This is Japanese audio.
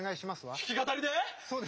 弾き語りで！？